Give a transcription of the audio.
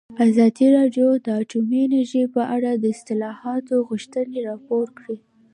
ازادي راډیو د اټومي انرژي په اړه د اصلاحاتو غوښتنې راپور کړې.